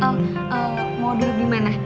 mau beli mana